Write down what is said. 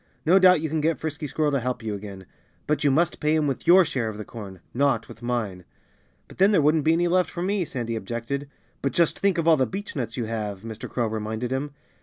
No doubt you can get Frisky Squirrel to help you again. But you must pay him with your share of the corn not with mine." "But then there wouldn't be any left for me," Sandy objected. "But just think of all the beechnuts you have," Mr. Crow reminded him.